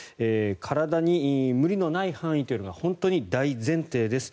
体に無理のない範囲というのが本当に大前提です。